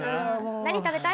何食べたい？